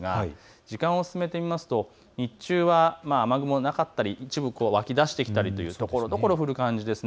時間を進めてみますと日中は雨雲なかったり一部湧き出してきたりところどころ降る感じです。